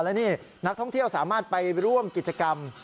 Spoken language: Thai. และนี่นักท่องเที่ยวสามารถไปร่วมกิจกรรม